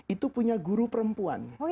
itu punya guru perempuan